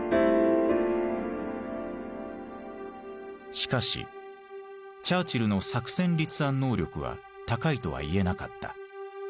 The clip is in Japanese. しかしチャーチルの作戦立案能力は高いとは言えなかった。